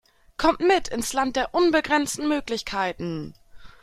Kommt mit ins Land der unbegrenzten Möglichkeiten!